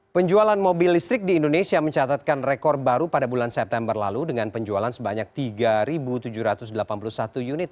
penjualan mobil listrik di indonesia mencatatkan rekor baru pada bulan september lalu dengan penjualan sebanyak tiga tujuh ratus delapan puluh satu unit